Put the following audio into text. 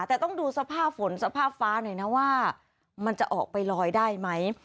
แต่ต้องดูสภาพฝนสภาพฟ้าหน่อยนะว่ามันจะออกไปลอยได้ไหม